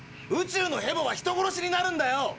宇宙のヘボは人殺しになるんだよ。